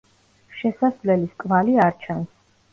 შესასვლელის კვალი არ ჩანს.